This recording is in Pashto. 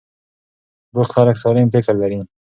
بوخت خلک سالم فکر لري.